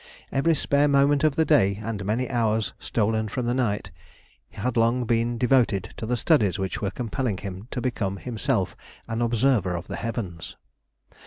Every spare moment of the day, and many hours stolen from the night, had long been devoted to the studies which were compelling him to become himself an observer of the heavens.